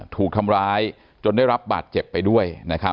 ถูกทำร้ายจนได้รับบาดเจ็บไปด้วย